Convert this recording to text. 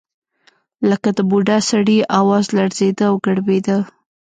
لکه د بوډا سړي اواز لړزېده او ګړبېده.